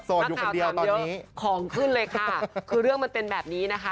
โสดอยู่คนเดียวตอนนี้ของขึ้นเลยค่ะคือเรื่องมันเป็นแบบนี้นะคะ